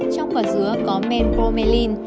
trong quả dứa có men bromelain